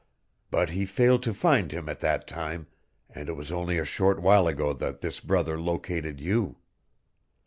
But he failed to find him at that time, and it was only a short while ago that this brother located you.